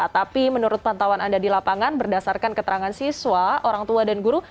tapi menurut pantauan anda di lapangan berdasarkan keterangan siswa orang tua dan guru